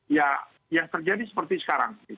ya yang terjadi seperti sekarang